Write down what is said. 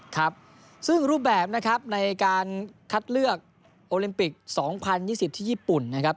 ครับซึ่งรูปแบบนะครับในการคัดเลือกโอลิมปิก๒๐๒๐ที่ญี่ปุ่นนะครับ